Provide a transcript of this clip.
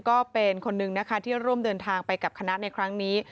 ก็เป็นคนนึงนะคะที่ร่วมเดินทางไปกับคณะในครั้งนี้